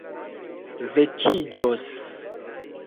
vekiĝos